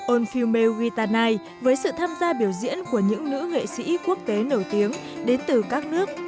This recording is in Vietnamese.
all female guitar night với sự tham gia biểu diễn của những nữ nghệ sĩ quốc tế nổi tiếng đến từ các nước